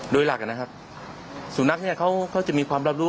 โดยหลักนะครับสุนัขเนี่ยเขาจะมีความรับรู้